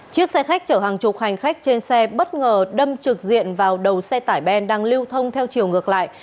chiếc xe khách chở hàng chục hành khách trên xe bất ngờ đâm trực diện vào đầu xe tải ben đang lưu thông theo chiều ngược lại